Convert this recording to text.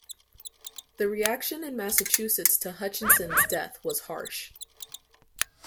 The reaction in Massachusetts to Hutchinson's death was harsh.